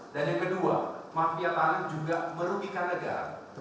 dan yang kedua mafiatan ini juga merugikan negara